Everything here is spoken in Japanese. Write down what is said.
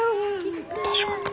確かに。